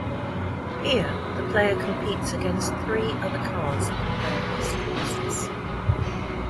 Here the player competes against three other cars on various courses.